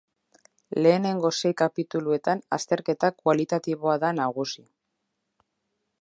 Lehenengo sei kapituluetan azterketa kualitatiboa da nagusi.